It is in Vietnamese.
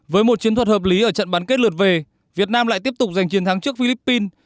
với một chiến thuật hợp lý ở trận bán kết lượt về việt nam lại tiếp tục giành chiến thắng trước philippines